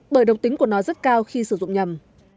bởi độc tính của nó rất cao khi sử dụng nhầm